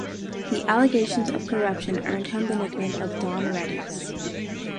The allegations of corruption earned him the nickname of "Don Readies".